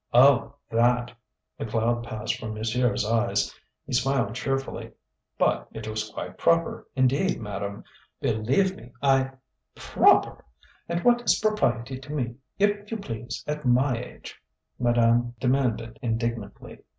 "Oh that!" The cloud passed from monsieur's eyes. He smiled cheerfully. "But it was quite proper, indeed, madame. Believe me, I " "Proper! And what is propriety to me, if you please at my age?" madame demanded indignantly.